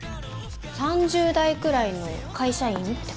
３０代くらいの会社員って感じ。